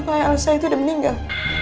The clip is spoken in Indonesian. kelayak ilsa itu udah meninggal